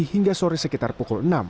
hingga sore sekitar pukul enam